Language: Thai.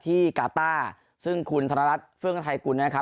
ที่การ์ต้าซึ่งคุณธนรัฐฟื้นกับไทยกลุ่มนี้นะครับ